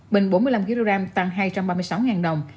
bình một mươi hai năm kg tăng sáu mươi sáu đồng